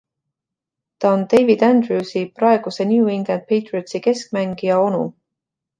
Ta on David Andrews’i, praeguse New England Patriotsi keskmängija, onu.